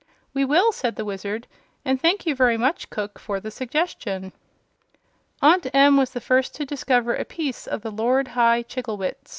"We will," said the Wizard; "and thank you very much, Cook, for the suggestion." Aunt Em was the first to discover a piece of the Lord High Chigglewitz.